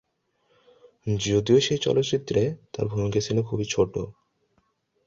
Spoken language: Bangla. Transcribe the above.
যদিও সেই চলচ্চিত্রে তার ভূমিকা ছিল খুবই ছোট।